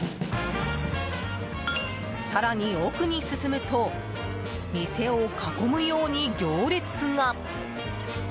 更に奥に進むと店を囲むように行列が。